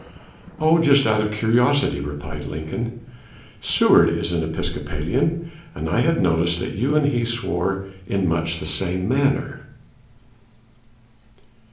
"Oh, just out of curiosity," replied Lincoln. "Seward is an Episcopalian, and I had noticed that you and he swore in much the same manner."